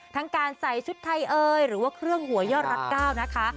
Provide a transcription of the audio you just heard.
ทั้งการใส่ชุดไทยเอ่ยหรือว่าเครื่องหัวยอดรักก้าวนะคะ